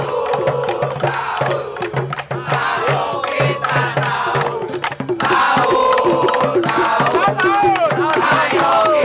sampai jumpa lagi